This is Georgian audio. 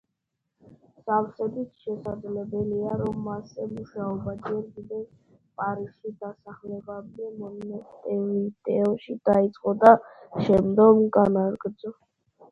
სავსებით შესაძლებელია, რომ მასზე მუშაობა ჯერ კიდევ პარიზში დასახლებამდე, მონტევიდეოში დაიწყო, და შემდგომ განაგრძო.